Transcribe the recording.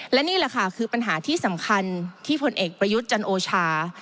และนี่แหละค่ะคือปัญหาที่สำคัญที่ผลเอกประยุทธ์จันโอชา